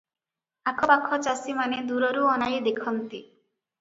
ଆଖ ପାଖ ଚାଷିମାନେ ଦୂରରୁ ଅନାଇ ଦେଖନ୍ତି